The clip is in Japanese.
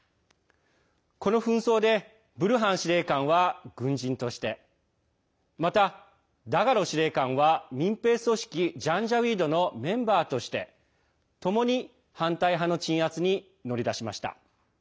この紛争でブルハン司令官は軍人としてまた、ダガロ司令官は民兵組織ジャンジャウィードのメンバーとしてともに反対派の鎮圧に乗り出しました。